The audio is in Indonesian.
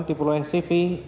di pulau sivi